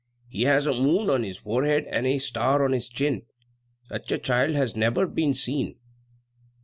He has a moon on his forehead and a star on his chin. Such a child has never been seen!"